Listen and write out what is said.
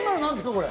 これ。